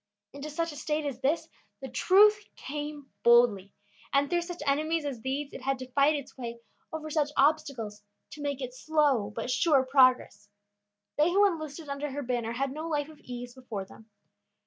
Into such a state as this the truth came boldly, and through such enemies as these it had to fight its way over such obstacles to make its slow but sure progress. They who enlisted under her banner had no life of ease before them.